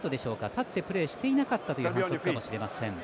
立ってプレーしていなかったという反則かもしれません。